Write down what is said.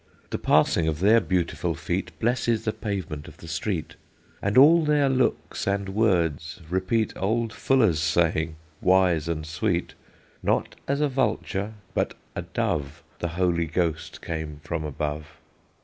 The passing of their beautiful feet Blesses the pavement of the street, And all their looks and words repeat Old Fuller's saying, wise and sweet, Not as a vulture, but a dove, The Holy Ghost came from above.